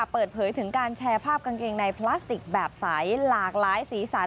เปิดเผยถึงการแชร์ภาพกางเกงในพลาสติกแบบใสหลากหลายสีสัน